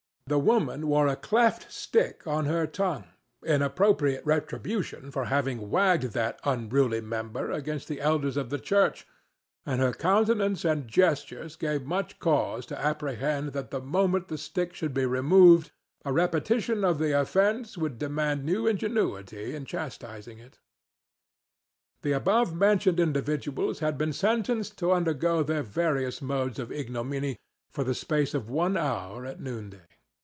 The woman wore a cleft stick on her tongue, in appropriate retribution for having wagged that unruly member against the elders of the church, and her countenance and gestures gave much cause to apprehend that the moment the stick should be removed a repetition of the offence would demand new ingenuity in chastising it. The above mentioned individuals had been sentenced to undergo their various modes of ignominy for the space of one hour at noonday.